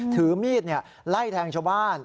ถือมีดไล่แทงชาวบ้าน